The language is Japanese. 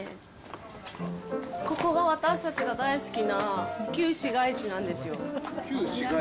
ここが私たちが大好きな旧市街地なんですよ。